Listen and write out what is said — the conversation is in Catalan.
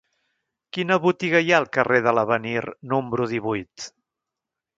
Quina botiga hi ha al carrer de l'Avenir número divuit?